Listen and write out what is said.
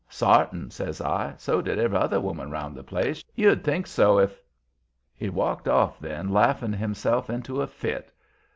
"Sartin," says I. "So did every other woman round the place. You'd think so if " He walked off then, laughing himself into a fit.